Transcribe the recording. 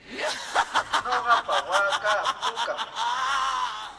Nuqapa waakaa pukam.